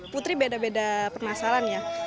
putri beda beda permasalahan ya